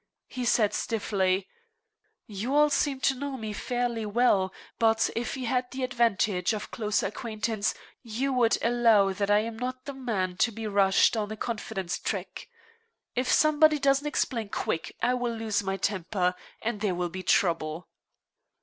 He said stiffly: "You all seem to know me fairly well; but if you had the advantage of closer acquaintance, you would allow that I am not the man to be rushed on a confidence trick. If somebody doesn't explain quick I will lose my temper, and there will be trouble."